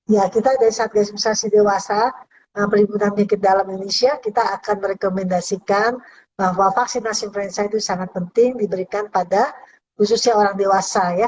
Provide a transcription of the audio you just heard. ya kita dari satgas insasi dewasa perimpunan penyakit dalam indonesia kita akan merekomendasikan bahwa vaksinasi influenza itu sangat penting diberikan pada khususnya orang dewasa ya